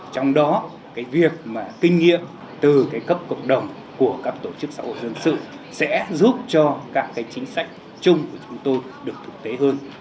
trong đó cái việc mà kinh nghiệm từ cái cấp cộng đồng của các tổ chức xã hội dân sự sẽ giúp cho các cái chính sách chung của chúng tôi được thực tế hơn